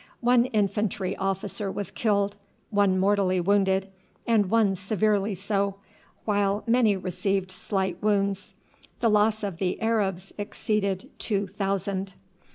One infantry officer was killed, one mortally wounded, and one severely so, while many received slight wounds. The loss of the Arabs exceeded two thousand.